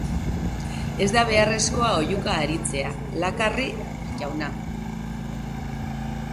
Ez da beharrezkoa oihuka aritzea, Lakarri jauna.